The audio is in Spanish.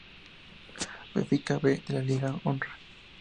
Benfica B de la Liga de Honra.